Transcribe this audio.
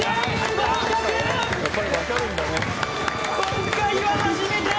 今回は初めて！